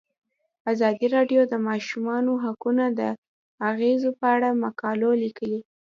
ازادي راډیو د د ماشومانو حقونه د اغیزو په اړه مقالو لیکلي.